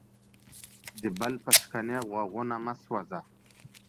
د بل په شکنې غوږونه مه سوځه.